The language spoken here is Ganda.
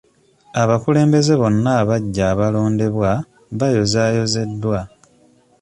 Abakulembeze bonna abagya abalondebwa bayozayozeddwa.